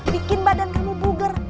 bikin badan kamu buger